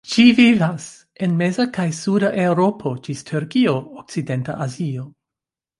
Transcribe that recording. Ĝi vivas en meza kaj suda Eŭropo ĝis Turkio, okcidenta Azio.